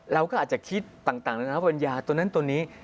เราก็อาจจะคิดต่างนานาปัญญาตัวนั้นตัวนี้